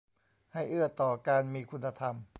ให้เอื้อต่อการมีคุณธรรม